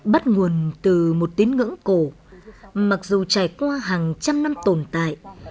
bắt nguồn từ một tín ngưỡng cổ mặc dù trải qua hàng trăm năm tồn tại